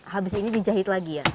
habis ini dijahit lagi ya